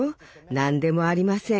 何でもありません。